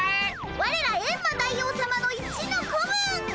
ワレらエンマ大王さまの一の子分！